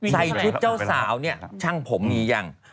ใส่ชุดเจ้าสาวเนี่ยช่างผมมียัง